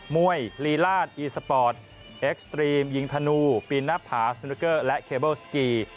มวยลีลาดอีสปอร์ตเอ็กซ์ตรีมยิงธนูปีหน้าผาสนุกเกอร์และเคเบิลสกี